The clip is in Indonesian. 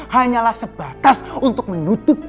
hanyalah sebatas untuk menutup